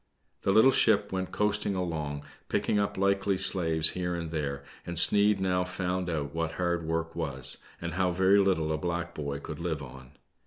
The little ship went coasting along, picking up likely slaves here and there, and Sneid now found out what hard work was, and how very little a black boy could live on.